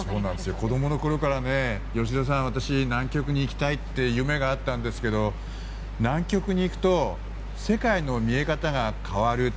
子供のころからね吉田さん私、南極に行きたいっていう夢があったんですけど南極に行くと世界の見え方が変わる。